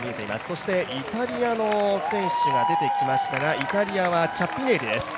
そしてイタリアの選手が出てきましたがイタリアはチャッピネーリ